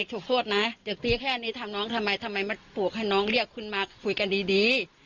จากนี้แค่นี้ทำน้องทำไมทำไมมาปลูกให้น้องเรียกคุณมาคุยกันดี